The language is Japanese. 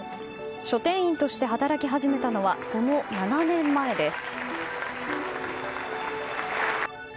書店員として働き始めたのはその７年前です。